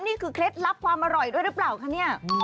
นี่คือเคล็ดลับความอร่อยด้วยหรือเปล่าค่ะ